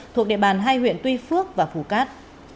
thuộc địa bàn hai huyện tuy phước và phú cát